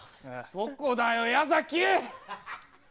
どこだよ矢崎。